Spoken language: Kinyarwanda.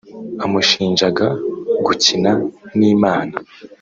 amushinjaga gukina n’Imana